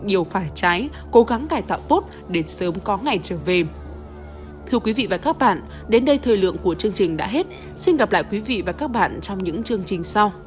điều phải trái cố gắng cải tạo tốt để sớm có ngày trở về